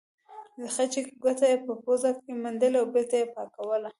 خچۍ ګوته یې په پوزه کې منډلې او بېرته یې پاکوله.